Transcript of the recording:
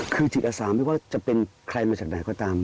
คือจิตอาสาไม่ว่าจะเป็นใครมาจากไหนก็ตาม